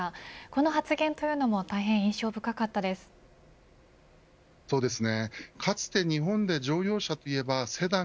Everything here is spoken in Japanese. この発言というのも大変印象深かったです。